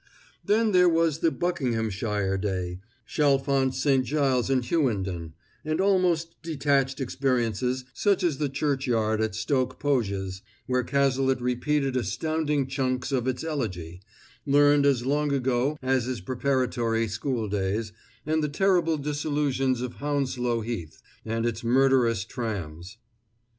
Then there was their Buckinghamshire day Chalfont St. Giles and Hughenden and almost detached experiences such as the churchyard at Stoke Poges, where Cazalet repeated astounding chunks of its Elegy, learned as long ago as his preparatory school days, and the terrible disillusion of Hounslow Heath and its murderous trams.